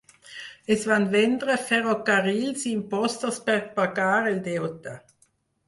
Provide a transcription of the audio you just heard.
Es van vendre ferrocarrils i impostos per pagar el deute.